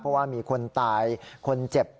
เพราะว่ามีคนตายคนเจ็บ